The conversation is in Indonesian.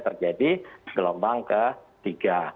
terjadi gelombang ketiga